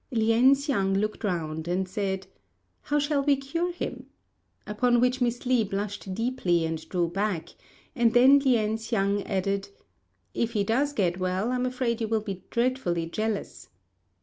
Lien hsiang looked round and said, "How shall we cure him?" upon which Miss Li blushed deeply and drew back; and then Lien hsiang added, "If he does get well, I'm afraid you will be dreadfully jealous."